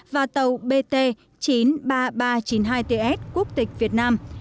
và tàu bt chín mươi ba nghìn ba trăm chín mươi hai ts quốc tịch việt nam